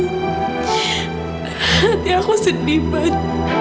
hati aku sedih man